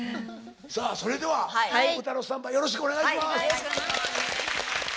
さあそれでは歌のスタンバイよろしくお願いします。